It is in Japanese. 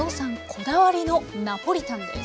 こだわりのナポリタンです。